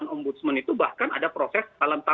ombudsman itu bahkan ada proses dalam